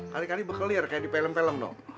kali kali bekelir kayak di film film dong